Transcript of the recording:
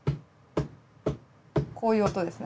こういう音ですね。